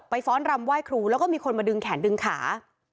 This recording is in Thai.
ฟ้อนรำไหว้ครูแล้วก็มีคนมาดึงแขนดึงขา